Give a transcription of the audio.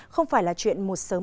không phải là chuyện một sớm